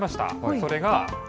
それが。